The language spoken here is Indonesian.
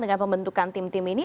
dengan pembentukan tim tim ini